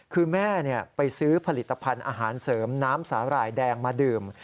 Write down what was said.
คือแม่ไปซื้อผลิตภัณฑ์อาหารเสริมน้ำสาหร่ายแดงมาดื่ม